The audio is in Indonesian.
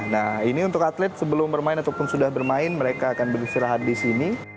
nah ini untuk atlet sebelum bermain ataupun sudah bermain mereka akan beristirahat di sini